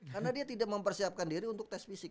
karena dia tidak mempersiapkan diri untuk tes fisik